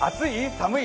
寒い？